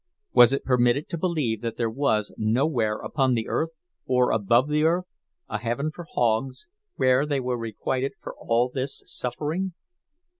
Was it permitted to believe that there was nowhere upon the earth, or above the earth, a heaven for hogs, where they were requited for all this suffering?